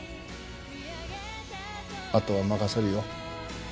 あとは任せるよ。